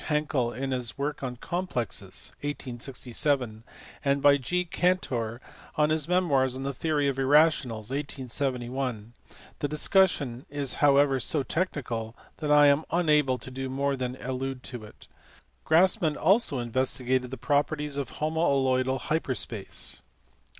Hankel in his work on complexes, 1867, and by G. Cantor in his memoirs on the theory of irrationals, 1871 ; the discussion is however so technical that I am unable to do more than allude to it. Grassmann also investigated the properties of homaloidal hyper space.